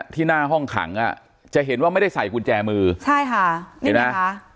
ที่หน้าห้องขังอ่ะจะเห็นว่าไม่ได้ใส่กุญแจมือใช่ค่ะเห็นไหมคะ